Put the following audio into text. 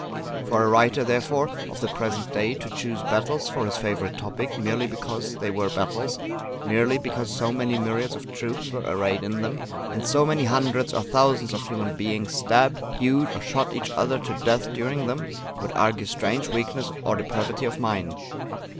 For a writer, therefore, of the present day to choose battles for his favourite topic, merely because they were battles, merely because so many myriads of troops were arrayed in them, and so many hundreds or thousands of human beings stabbed, hewed, or shot each other to death during them, would argue strange weakness or depravity of mind.